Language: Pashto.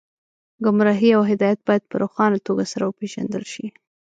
ګمراهي او هدایت باید په روښانه توګه سره وپېژندل شي